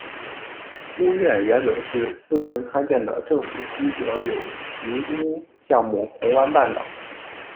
屋苑原本是私人参建的政府居者有其屋项目红湾半岛。